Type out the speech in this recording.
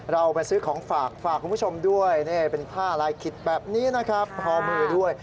เราไปซื้อของฝากฝากคุณผู้ชมด้วยนี่เป็นผ้าลายขิดแบบนี้นะครับคอมือด้วย